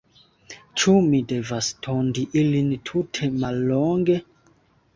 Ĉu mi devas tondi ilin tute mallonge?